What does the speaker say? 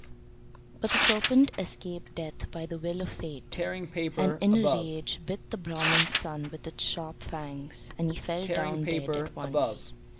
But the serpent escaped death by the will of fate, and in a rage bit the Brahman's son with its sharp fangs, and he fell down dead at once.